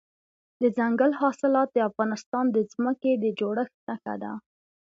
دځنګل حاصلات د افغانستان د ځمکې د جوړښت نښه ده.